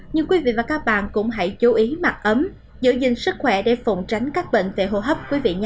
nhưng quý vị và các bạn cũng hãy chú ý mặt ấm giữ gìn sức khỏe để phụng tránh các bệnh về hô hấp